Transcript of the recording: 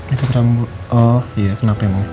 ikut rambut oh iya kenapa emang